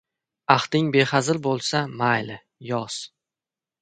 — Ahding behazil bo‘lsa, mayli, yoz.